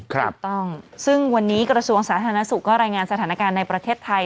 ถูกต้องซึ่งวันนี้กระทรวงสาธารณสุขก็รายงานสถานการณ์ในประเทศไทย